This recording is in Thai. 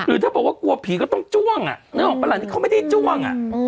ถ้าบอกว่ากลัวผีก็ต้องจ้วงอ่ะนึกออกปะล่ะนี่เขาไม่ได้จ้วง